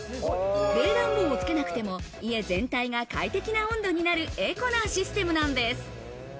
冷暖房をつけなくても家全体が快適な温度になるエコなシステムなんです。